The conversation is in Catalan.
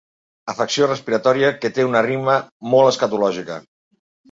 Afecció respiratòria que té una rima molt escatològica.